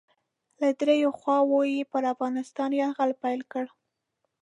له دریو خواوو یې پر افغانستان یرغل پیل کړ.